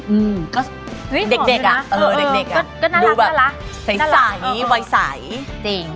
อืมเด็กอะเออเด็กอะดูแบบใสไวใส